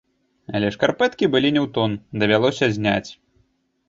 Але шкарпэткі былі не ў тон, давялося зняць!